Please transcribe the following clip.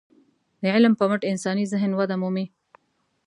د علم په مټ انساني ذهن وده مومي.